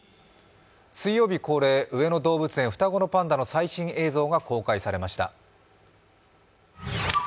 水曜日恒例、上野動物園の双子パンダの映像が公開されました。